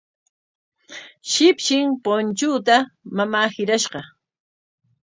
Shipshin punchuuta mamaa hirashqa.